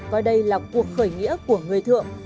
coi đây là cuộc khởi nghĩa của người thượng